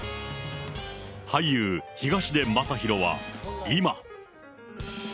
俳優、東出昌大は今。